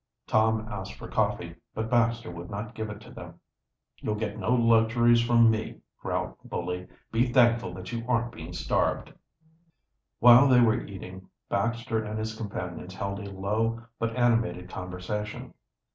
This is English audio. Tom asked for coffee, but Baxter would not give it to them. "You'll get no luxuries from me," growled the bully. "Be thankful that you aren't being starved." While they were eating, Baxter and his companions held a low, but animated, conversation.